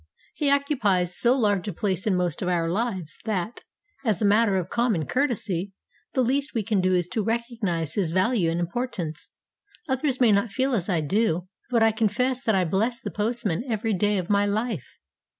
He occupies so large a place in most of our lives that, as a matter of common courtesy, the least we can do is to recognize his value and importance. Others may not feel as I do, but I confess that I bless the postman every day of my life.